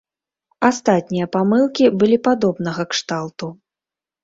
Астатнія памылкі былі падобнага кшталту.